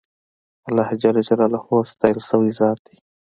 اللهﷻ ستایل سوی ذات دی.